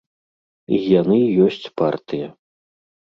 І яны ёсць партыя.